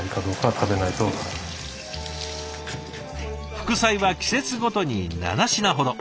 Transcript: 副菜は季節ごとに７品ほど。